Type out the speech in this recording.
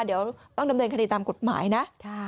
เดี๋ยวต้องดำเนินคดีตามกฎหมายนะ